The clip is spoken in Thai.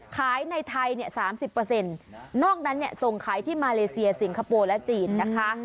ขายในไทยเนี่ย๓๐นอกนั้นเนี่ยส่งขายที่มาเลเซียสิงคโปร์และจีนนะคะ